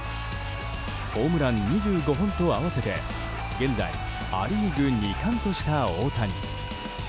ホームラン２５本と合わせて現在ア・リーグ２冠とした大谷。